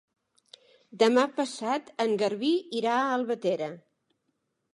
Demà passat en Garbí irà a Albatera.